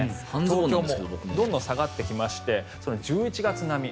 東京もどんどん下がってきまして１１月並み。